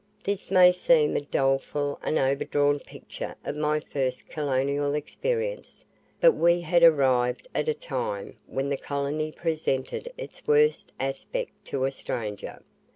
This may seem a doleful and overdrawn picture of my first colonial experience, but we had arrived at a time when the colony presented its worst aspect to a stranger.